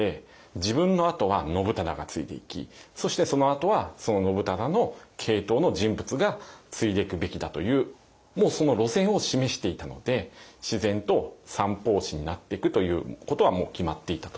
自分のあとは信忠が継いでいきそしてそのあとはその信忠の系統の人物が継いでいくべきだというもうその路線を示していたので自然と三法師になってくということはもう決まっていたと。